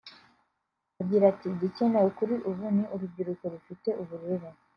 Agira ati “Igikenewe kuri ubu ni urubyiruko rufite uburere